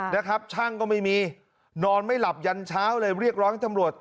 นะครับช่างก็ไม่มีนอนไม่หลับยันเช้าเลยเรียกร้องให้ตำรวจ